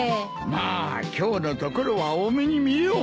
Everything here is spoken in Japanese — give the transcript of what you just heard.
まあ今日のところは大目に見よう。